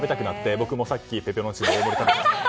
僕もさっき、ペペロンチーノ大盛り食べたので。